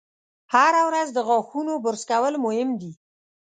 هره ورځ د غاښونو برش کول مهم دي.